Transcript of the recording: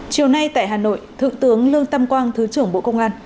chiều nay tại hà nội thượng tướng lương tam quang thứ trưởng bộ công an